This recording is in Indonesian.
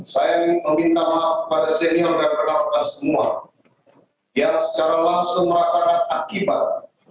saya meminta maaf pada senior dan rekan rekan semua yang secara langsung merasakan akibat